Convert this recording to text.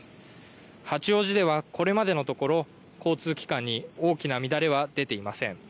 八王子ではこれまでのところ交通機関に大きな乱れは出ていません。